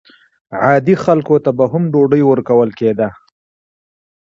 عادي خلکو ته به هم ډوډۍ ورکول کېده.